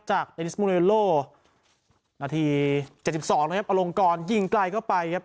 จากนาทีเจ็บสิบสองนะครับอลงกรยิงไกลเข้าไปครับ